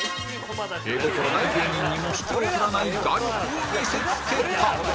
絵心ない芸人にも引けを取らない画力を見せ付けた